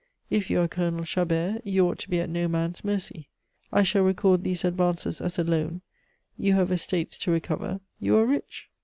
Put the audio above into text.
If you are Colonel Chabert, you ought to be at no man's mercy. I shall record these advances as a loan; you have estates to recover; you are rich."